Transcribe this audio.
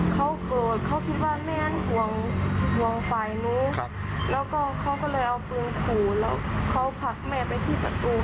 เขาโกรธเขาคิดว่าแม่นั้นห่วงห่วงฝ่ายนู้นแล้วก็เขาก็เลยเอาปืนขู่แล้วเขาผลักแม่ไปที่ประตู